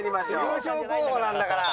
優勝候補なんだから。